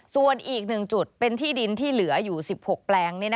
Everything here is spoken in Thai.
ส่วนอีก๑จุดเป็นที่ดินที่เหลืออยู่๑๖แปลง